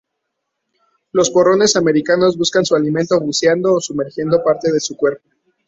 Los porrones americanos buscan su alimento buceando o sumergiendo parte de su cuerpo.